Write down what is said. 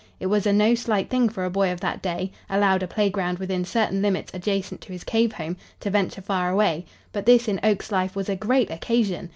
It was a no slight thing for a boy of that day, allowed a playground within certain limits adjacent to his cave home, to venture far away; but this in Oak's life was a great occasion.